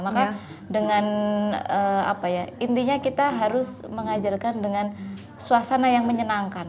maka dengan apa ya intinya kita harus mengajarkan dengan suasana yang menyenangkan